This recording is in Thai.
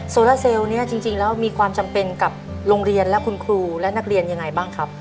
โซราเซลล์นี้จริงแล้วมีความจำเป็นกับโรงเรียนและคุณครูและนักเรียนยังไงบ้างครับ